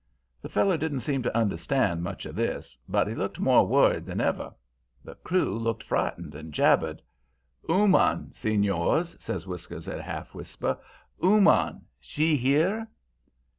"The feller didn't seem to understand much of this, but he looked more worried than ever. The crew looked frightened, and jabbered. "'Ooman, senors,' says Whiskers, in half a whisper. 'Ooman, she here?'